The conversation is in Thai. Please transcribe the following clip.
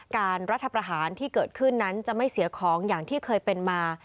รัฐประหารที่เกิดขึ้นนั้นจะไม่เสียของอย่างที่เคยเป็นมา